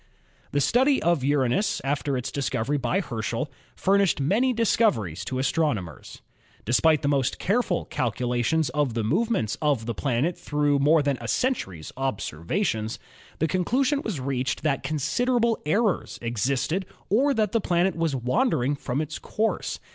The study of Uranus after its discovery by Herschel furnished many difficulties to astronomers. Despite the most careful calculations of the movements of the planet through more than a century's observations, the conclusion 84 ASTRONOMY was reached that considerable errors existed or that the planet was wandering from its course.